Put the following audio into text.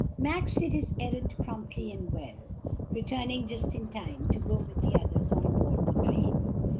Max did his errand promptly and well, returning just in time to go with the others on board the train.